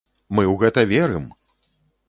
Мы ў гэта верым!